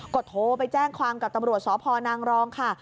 ก็โทรไปแจ้งความกับตำรวจสพนางรองค่ะ